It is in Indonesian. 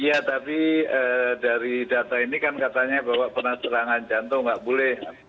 ya tapi dari data ini kan katanya bahwa penasarangan jantung tidak boleh